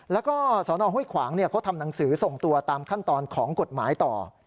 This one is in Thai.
แล้วก็สนห้วยขวางเขาทำหนังสือส่งตัวตามขั้นตอนของกฎหมายต่อ